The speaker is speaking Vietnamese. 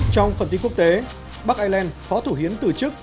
trong phần tin quốc tế bắc ireland phó thủ hiến từ chức